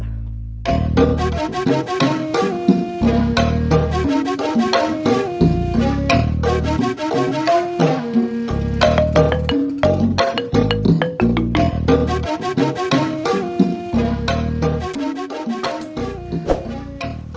adjust perang aid maafnya